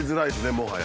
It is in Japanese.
もはや。